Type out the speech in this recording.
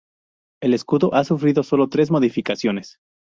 El escudo ha sufrido solo tres modificaciones.